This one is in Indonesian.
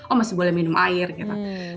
oh masih boleh minum air gitu